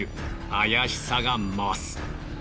怪しさが増す。